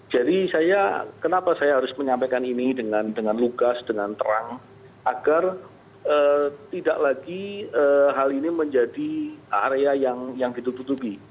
jadi kenapa saya harus menyampaikan ini dengan lugas dengan terang agar tidak lagi hal ini menjadi area yang ditutupi